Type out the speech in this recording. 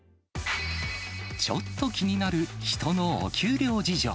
ちょっと気になる人のお給料事情。